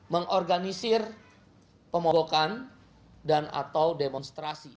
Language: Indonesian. mengorganisir pemobokan dan atau demonstrasi